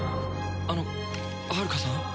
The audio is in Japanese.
あのはるかさん？